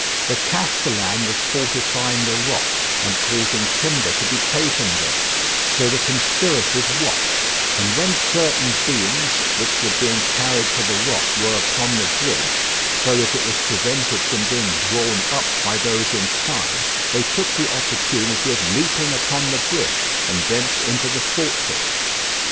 The castellan was fortifying the rock and causing timber to be taken there; so the conspirators watched, and when certain beams which were being carried to the rock were upon the bridge, so that it was prevented from being drawn up by those inside, they took the opportunity of leaping upon the bridge and thence into the fortress.